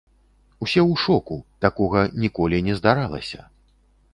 Усе ў шоку, такога ніколі не здаралася.